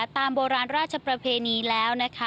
ตามโบราณราชประเพณีแล้วนะคะ